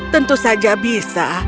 tentu saja bisa